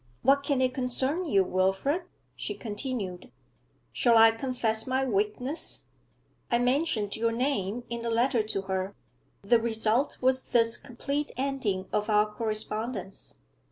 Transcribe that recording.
'What can it concern you, Wilfrid?' she continued. 'Shall I confess my weakness? I mentioned your name in a letter to her; the result was this complete ending of our correspondence.